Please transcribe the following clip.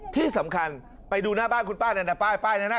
ที่สำคัญไปดูหน้าบ้านคนป้านั่นใส่เป้าย้ำ